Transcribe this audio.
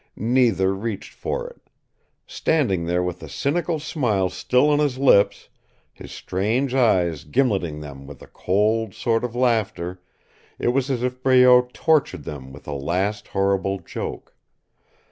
Neither reached for it. Standing there with the cynical smile still on his lips, his strange eyes gimleting them with a cold sort of laughter, it was as if Breault tortured them with a last horrible joke.